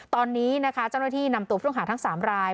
ตอนนี้นะคะเจ้าหน้าที่นำตัวผู้ต้องหาทั้ง๓ราย